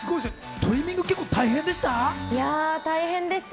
トリミング結構大変でした？